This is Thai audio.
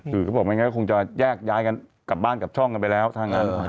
คือเขาบอกไม่งั้นก็คงจะแยกย้ายกันกลับบ้านกลับช่องกันไปแล้วถ้างั้น